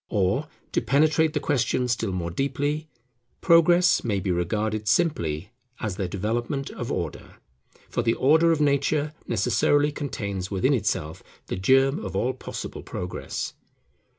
Or, to penetrate the question still more deeply, Progress may be regarded simply as the development of Order; for the order of nature necessarily contains within itself the germ of all possible progress.